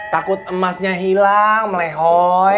takut emasnya hilang melehoi